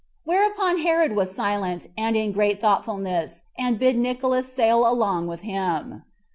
Whereupon Herod was silent, and in great thoughtfulness, and bid Nicolaus sail along with him.